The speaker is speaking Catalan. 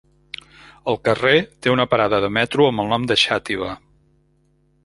El carrer té una parada de metro amb el nom de Xàtiva.